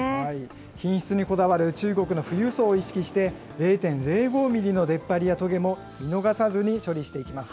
品質にこだわる中国の富裕層を意識して、０．０５ミリの出っ張りやとげも見逃さずに処理していきます。